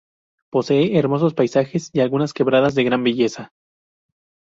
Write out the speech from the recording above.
Posee hermosos paisajes, y algunas quebradas de gran belleza.